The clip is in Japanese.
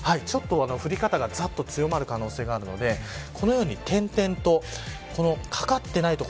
降り方がざっと強まる可能性があるのでこのように点々とかかっていない所。